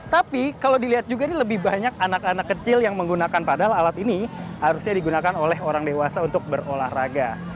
tapi kalau dilihat juga ini lebih banyak anak anak kecil yang menggunakan padahal alat ini harusnya digunakan oleh orang dewasa untuk berolahraga